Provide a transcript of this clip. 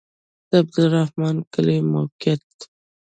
د عبدالرحمن کلی موقعیت